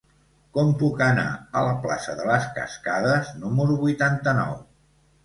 Com puc anar a la plaça de les Cascades número vuitanta-nou?